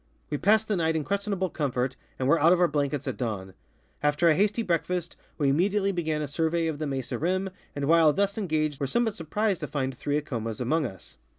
We passed the night in ques tionable comfort and were out of our blankets at dawn. After a hasty breakfast, we immediately began a survey of the mesa THE ENCHANTED MESA FROM THE SOUTHEAST rim, and while thus engaged were somewhat surprised to find three Acomas among us.